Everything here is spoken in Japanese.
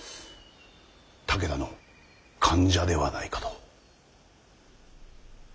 武田の間者ではないかと。